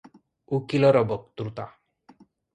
"ଉକୀଲର ବକ୍ତୃତା-